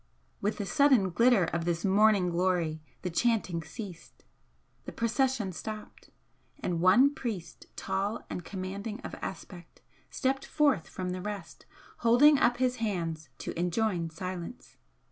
With the sudden glitter of this morning glory the chanting ceased, the procession stopped; and one priest, tall and commanding of aspect, stepped forth from the rest, holding up his hands to enjoin silence.